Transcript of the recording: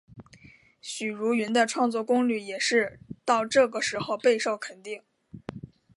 许茹芸的创作功力也是到这个时候备受肯定。